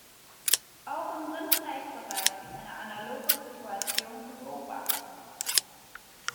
Auch im Rindfleischbereich ist eine analoge Situation zu beobachten.